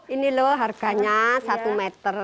ini loh harganya satu meter satu ratus lima puluh